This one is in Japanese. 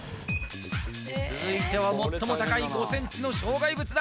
続いては最も高い５センチの障害物だ